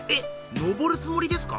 登るつもりですか？